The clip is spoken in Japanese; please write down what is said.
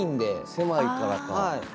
狭いからか。